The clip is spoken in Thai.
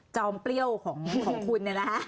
จอมเปรี้ยวของคุณ